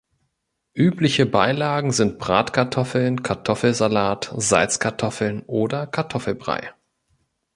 Übliche Beilagen sind Bratkartoffeln, Kartoffelsalat, Salzkartoffeln oder Kartoffelbrei.